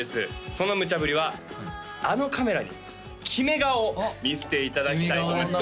そのむちゃぶりはあのカメラに決め顔を見せていただきたいと思います